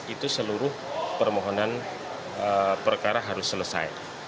itu seluruh permohonan perkara harus selesai